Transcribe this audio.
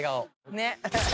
ねっ！